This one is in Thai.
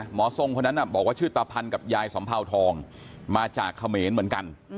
หมอทรงคนนั้นบอกว่าชื่อตาพันกับยายสำเภาทองมาจากเขมรเหมือนกัน